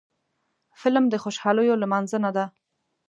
فلم د خوشحالیو لمانځنه ده